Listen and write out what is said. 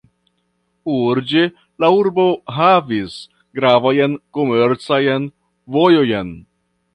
Urĝe la urbo havis gravajn komercajn vojojn.